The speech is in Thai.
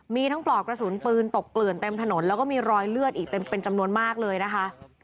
มีทั้งปลอกกระสุนปืนตกเกลื่อนเต็มถนนแล้วก็มีรอยเลือดอีกเต็มเป็นจำนวนมากเลยนะคะ